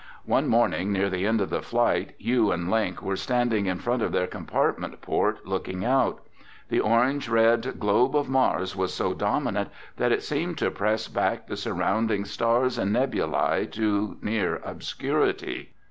One morning, near the end of the flight, Hugh and Link were standing in front of their compartment port looking out. The orange red globe of Mars was so dominant that it seemed to press back the surrounding stars and nebulae to near obscurity.